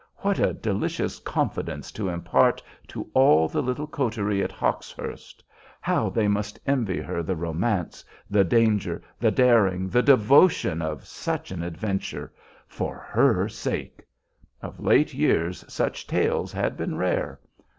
What a delicious confidence to impart to all the little coterie at Hawkshurst! How they must envy her the romance, the danger, the daring, the devotion of such an adventure for her sake! Of late years such tales had been rare.